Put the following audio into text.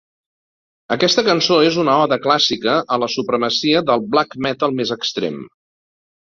Aquesta cançó és una oda clàssica a la supremacia del Black Metal més extrem.